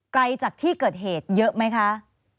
ไกลจากที่เกิดเหตุเยอะไหมคะ